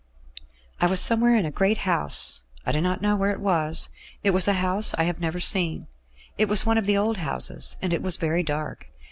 "I was somewhere in a great house; I do not know where it was. It was a house I have never seen. It was one of the old houses, and it was very dark.